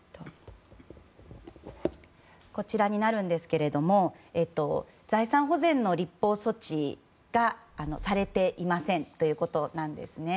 こちらになるんですが財産保全の立法措置がされていませんということです。